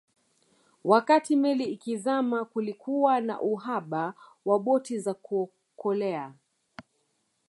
Wakati meli ikizama kulikuwa na uhaba wa boti za kuokolea